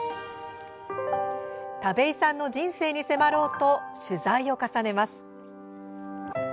田部井さんの人生に迫ろうと取材を重ねます。